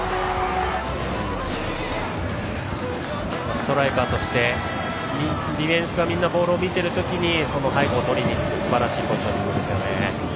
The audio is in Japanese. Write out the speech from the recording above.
ストライカーとしてディフェンスがみんなボールを見ているときに背後を取りにいくすばらしいですよね。